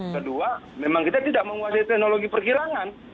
kedua memang kita tidak menguasai teknologi perkiraan